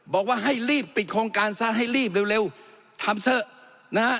บอกว่าให้รีบปิดโครงการซะให้รีบเร็วทำเถอะนะฮะ